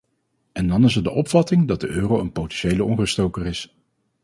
En dan is er de opvatting dat de euro een potentiële onruststoker is.